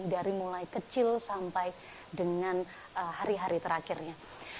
dari mulai kecil sampai dengan hari hari terakhirnya